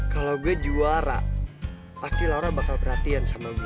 kalau gue juara pasti laura bakal perhatian sama gue